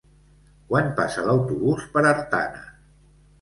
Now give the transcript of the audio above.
Quan passa l'autobús per Artana?